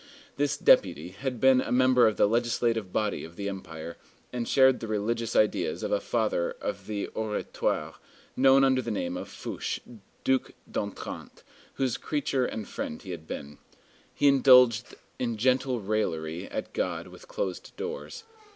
This deputy had been a member of the legislative body of the Empire, and shared the religious ideas of a father of the Oratoire, known under the name of Fouché, Duc d'Otrante, whose creature and friend he had been. He indulged in gentle raillery at God with closed doors.